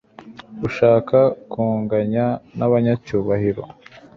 ushaka kunganya nabanyacyubahiro